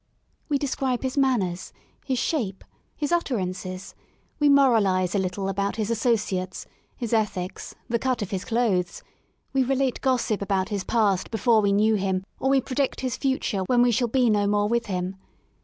We describe his manners, his shape, his utterances: we moralise a little about his associates, his ethics, the cut of his clothes ; we relate gossip about his past before we knew him, or we predict his future when we shall be no more with him.